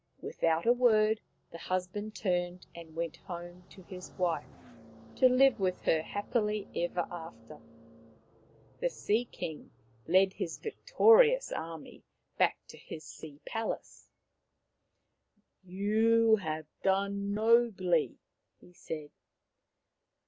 Without a word the husband turned and went home to his wife, to live with her happily ever after. The Sea king led his victorious army back to 72 Maoriland Fairy Tales his sea palace. " You have done nobly," he said.